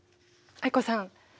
藍子さん